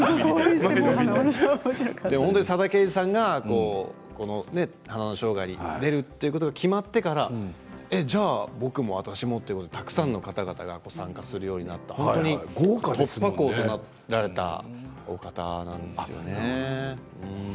本当に佐田啓二さんが「花の生涯」に出るということが決まってからじゃあ僕も私もということでたくさんの方が参加するようになった突破口となられたお方なんですよね。